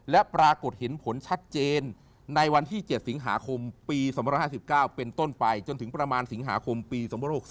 และปรากฏเห็นผลชัดเจนในวันที่๗สิงหาคมปี๒๕๙เป็นต้นไปจนถึงประมาณสิงหาคมปี๒๖๔